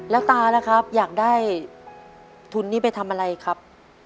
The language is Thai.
แล้วตาล่ะครับอยากได้ทุนนี้ไปทำอะไรครับ